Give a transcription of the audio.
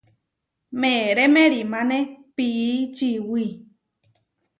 Meeré meʼrimáne pií čiwí.